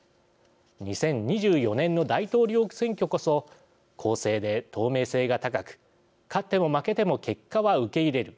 ２０２４年の大統領選挙こそ公正で透明性が高く勝っても負けても結果は受け入れる。